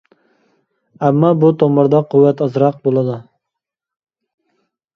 ئەمما بۇ تومۇردا قۇۋۋەت ئازراق بولىدۇ.